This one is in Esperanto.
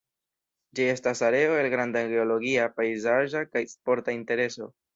Ĝi estas areo el granda geologia, pejzaĝa kaj sporta intereso.